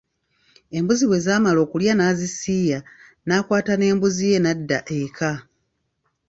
Embuzi bwe zaamala okulya n'azisiiya n'akwata n’embuzi ye n’adda eka.